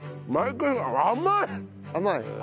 毎回甘い！